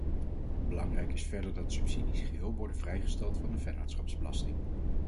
Belangrijk is verder dat subsidies geheel worden vrijgesteld van de vennootschapsbelasting.